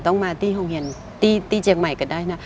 ต้องมาที่ห้องเย็นที่เชียงใหม่ก็ได้นะ